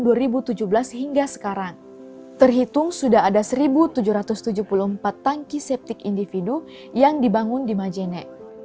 hals sejak tahun dua ribu tujuh belas hingga sekarang terhitung sudah ada satu tujuh ratus tujuh puluh empat tangki septic individu yang dibangun di majene